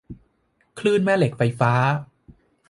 คลื่นแม่เหล็กไฟฟ้า